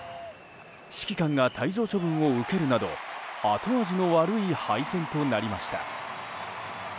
指揮官が退場処分を受けるなど後味の悪い敗戦となりました。